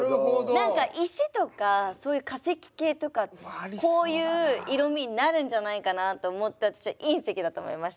何か石とかそういう化石系とかこういう色みになるんじゃないかなと思って私は隕石だと思いました。